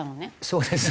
そうです。